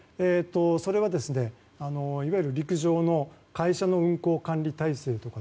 それはいわゆる陸上の会社の運航管理体制